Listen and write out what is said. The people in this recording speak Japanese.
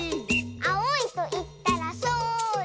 「あおいといったらそら！」